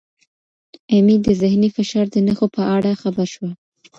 ایمي د ذهني فشار د نښو په اړه خبر شوه.